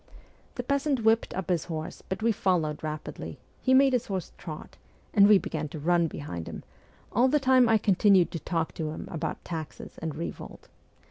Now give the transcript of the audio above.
The peasant whipped up his horse, but we followed rapidly ; he made his horse trot, and we began to run behind him ; all the time I continued to talk to him about taxes and revolt.